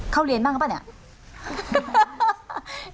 เข้าเรียนบ้างครับป่ะเนี่ย